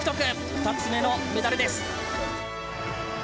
２つ目のメダルです。